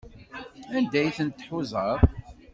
Anda ay tent-tḥuzaḍ?